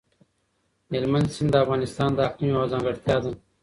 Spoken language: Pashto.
هلمند سیند د افغانستان د اقلیم یوه ځانګړتیا ده.